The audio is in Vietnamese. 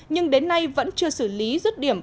nhưng đến nay vẫn chưa xử lý rứt điểm